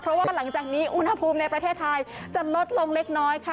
เพราะว่าหลังจากนี้อุณหภูมิในประเทศไทยจะลดลงเล็กน้อยค่ะ